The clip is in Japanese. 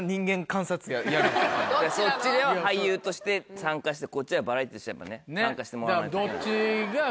そっちでは俳優として参加してこっちではバラエティーとしてやっぱね参加してもらわないと。